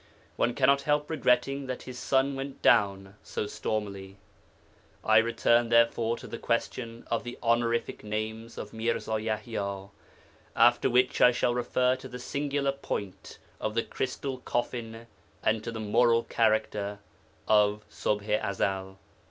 One cannot help regretting that his sun went down so stormily. I return therefore to the question of the honorific names of Mirza Yaḥya, after which I shall refer to the singular point of the crystal coffin and to the moral character of Ṣubḥ i Ezel.